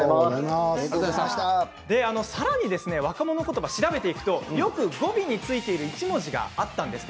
さらに、若者言葉を調べていくとよく語尾についている一文字があったんです。